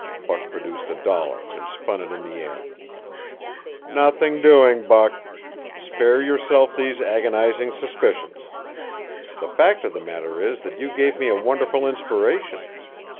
Buck produced a dollar and spun it in the air. "Nothing doing, Buck. Spare yourself these agonizing suspicions. The fact of the matter is that you give me a wonderful inspiration.